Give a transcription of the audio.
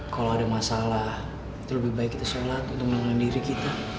kalau ada masalah itu lebih baik kita sholat untuk mengenalkan diri kita